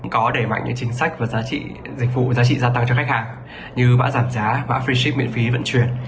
có đẩy mạnh những chính sách và giá trị gia tăng cho khách hàng như bã giảm giá bã free ship miễn phí vận chuyển